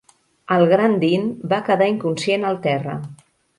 El gran Dean va quedar inconscient al terra.